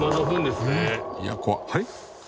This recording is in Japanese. はい？